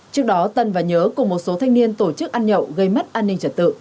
trước đó tân và nhớ cùng một số thanh niên tổ chức ăn nhậu gây mất an ninh trật tự